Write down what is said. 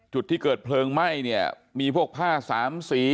จุดที่เกิดเผลิงแม่มีพวกผ้าสามสี